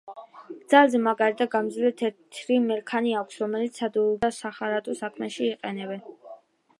ძალზე მაგარი და გამძლე თეთრი მერქანი აქვს, რომელსაც სადურგლო და სახარატო საქმეში იყენებენ.